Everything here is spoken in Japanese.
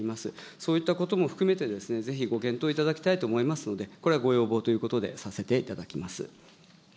そういったことも含めて、ぜひご検討いただきたいと思いますので、これはご要望ということで、させていただきます。